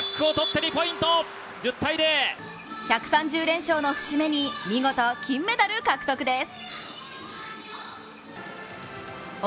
１３０連勝の節目に見事、金メダル獲得です。